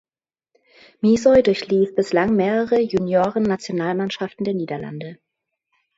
Misehouy durchlief bislang mehrere Juniorennationalmannschaften der Niederlande.